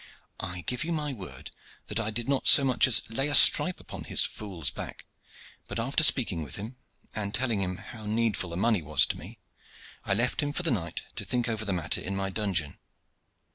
I give you my word that I did not so much as lay a stripe upon his fool's back, but after speaking with him, and telling him how needful the money was to me, I left him for the night to think over the matter in my dungeon.